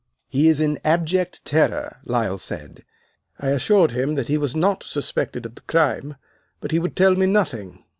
"'He is in abject terror,' Lyle said. 'I assured him that he was not suspected of the crime, but he would tell me nothing.